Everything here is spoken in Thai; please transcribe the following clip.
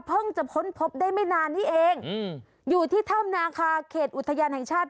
จะค้นพบได้ไม่นานนี้เองอยู่ที่ถ้ำนาคาเขตอุทยานแห่งชาติ